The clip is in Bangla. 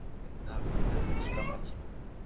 কিন্তু হাবিলদার বেশ লম্বা ছিল।